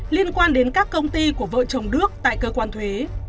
liên quan đến các công ty của vợ chồng đức tại cơ quan thuế